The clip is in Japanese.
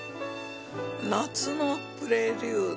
『夏のプレリュード』。